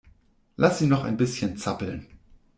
Lass sie noch ein bisschen zappeln.